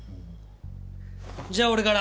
じゃあ俺から。